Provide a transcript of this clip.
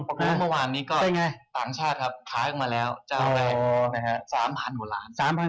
เมื่อวานนี้ก็ต่างชาติครับขายออกมาแล้วเจ้าแรก๓๐๐กว่าล้าน